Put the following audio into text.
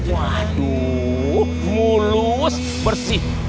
waduh mulus bersih